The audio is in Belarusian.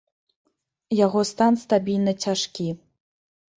Яго стан стабільны цяжкі.